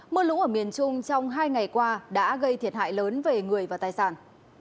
mưa lũ ở miền trung trong hai ngày qua đã gây thiệt hại lớn về người và tài sản